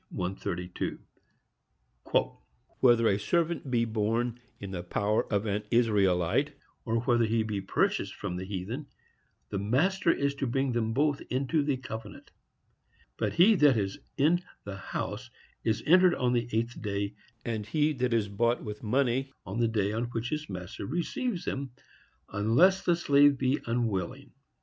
132. Whether a servant be born in the power of an Israelite, or whether he be purchased from the heathen, the master is to bring them both into the covenant. But he that is in the house is entered on the eighth day; and he that is bought with money, on the day on which his master receives him, unless the slave be unwilling.